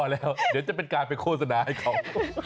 แล้วเดี๋ยวจะเป็นการไปโฆษณาให้เขา